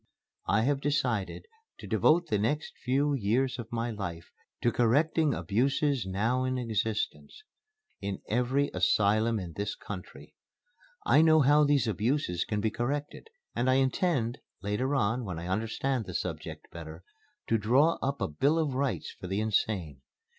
I have decided to devote the next few years of my life to correcting abuses now in existence in every asylum in this country. I know how these abuses can be corrected and I intend later on, when I understand the subject better to draw up a Bill of Rights for the Insane.